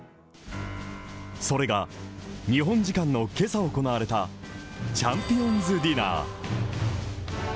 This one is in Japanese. それが日本時間の今朝行われたチャンピオンズディナー。